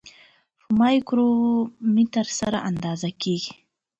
په مایکرومتر سره اندازه کیږي.